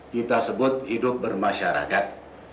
kita sebut hidup bermasyarakat